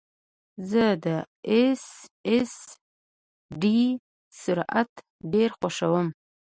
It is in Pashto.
زه د ایس ایس ډي سرعت ډېر خوښوم.